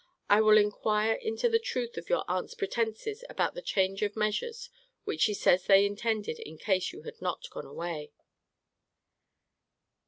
I will inquire into the truth of your aunt's pretences about the change of measures which she says they intended in case you had not gone away.